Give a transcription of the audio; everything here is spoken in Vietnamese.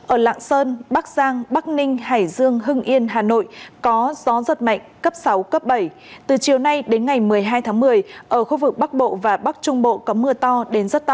ở lạng sơn bắc giang bắc ninh hải dương hưng yên hà nội có gió giật mạnh cấp sáu cấp bảy từ chiều nay đến ngày một mươi hai tháng một mươi ở khu vực bắc bộ và bắc trung bộ có mưa to đến rất to